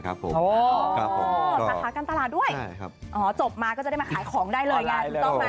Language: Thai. สาขาการตลาดด้วยจบมาก็จะได้มาขายของได้เลย